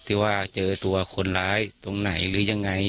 ที่ว่าเจอตัวคนร้ายตรงไหนหรือยังไง